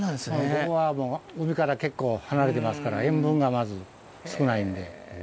ここは海から結構離れてますから塩分がまず少ないんで。